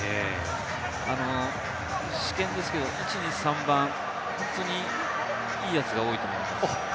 私見ですけれども、１、２、３番、本当にいいやつが多いと思います。